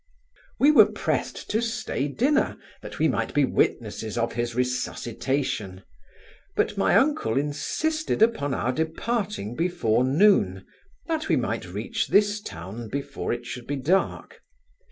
We were pressed to stay dinner, that we might be witnesses of his resuscitation; but my uncle insisted upon our departing before noon, that we might reach this town before it should be dark.